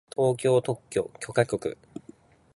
東京特許許可局